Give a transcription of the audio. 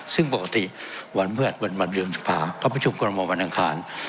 ซึ่งปกติวันเมือดวันวันเดือนสุขภาพเขาประชุมกรมอว์วันอังคาร